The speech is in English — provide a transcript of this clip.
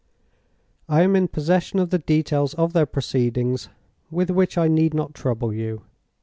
I am in possession of the details of their proceedings, with which I need not trouble you.